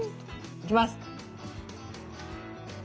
いきます。